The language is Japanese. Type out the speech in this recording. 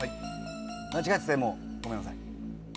間違っててもごめんなさい。